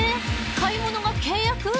買い物が契約？